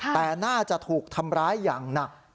แต่น่าจะถูกทำร้ายอย่างหนัก